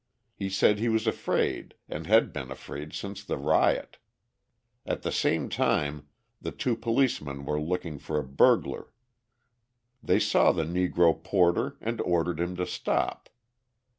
He said he was afraid and had been afraid since the riot. At the same time the two policemen were looking for a burglar. They saw the Negro porter and ordered him to stop.